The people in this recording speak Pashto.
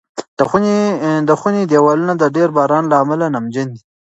د خونې دېوالونه د ډېر باران له امله نمجن دي.